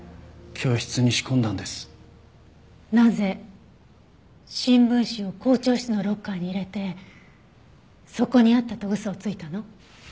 なぜ新聞紙を校長室のロッカーに入れてそこにあったと嘘をついたの？